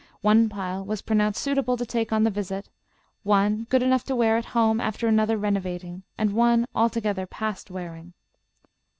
One pile was pronounced suitable to take on the visit, one good enough to wear at home after another renovating, and one altogether past wearing.